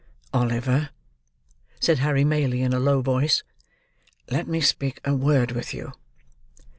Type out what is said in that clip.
"Oliver," said Harry Maylie, in a low voice, "let me speak a word with you."